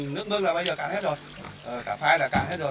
nước mương là bây giờ cạn hết rồi cả phai là cạn hết rồi